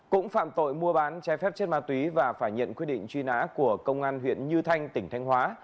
cũng phạm tội mua bán trái phép chất ma túy và phải nhận quyết định truy nã của công an huyện như thanh tỉnh thanh hóa